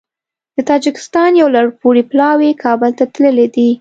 د تاجکستان یو لوړپوړی پلاوی کابل ته تللی دی